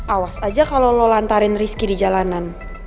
awas aja kalau lo lantarin rizky di jalanan